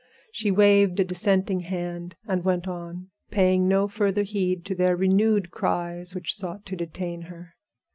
She waved a dissenting hand, and went on, paying no further heed to their renewed cries which sought to detain her.